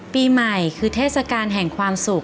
ปีใหม่คือเทศกาลแห่งความสุข